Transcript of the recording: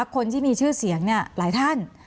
คนที่มีชื่อเสียงหลายท่าน